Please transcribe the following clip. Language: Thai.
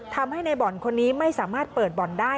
ทำให้ในบ่อนคนนี้ไม่สามารถเปิดบ่อนได้